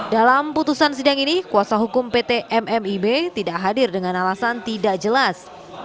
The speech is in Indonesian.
dalam putusan sidang ini kuasa hukum pt mmib tidak hadir dengan alasan tidak jelas